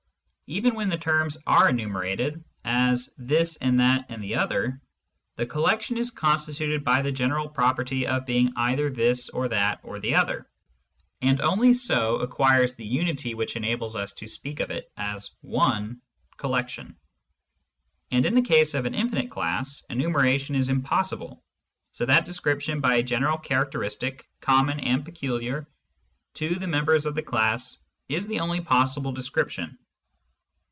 Even when the terms are enumerated, as "this and that and the other," the collection is constituted by the general pro perty of being either this, or that, or the other, and only so acquires the unity which enables us to speak of it as one collection. And in the case of an infinite class, enumera tion is impossible, so that description by a general charac teristic common and peculiar to the members of the class is the only possible description.